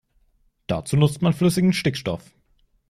Dazu nutzt man flüssigen Stickstoff.